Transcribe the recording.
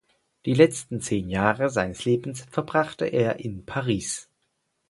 Die letzten zehn Jahre seines Lebens verbrachte er in Paris.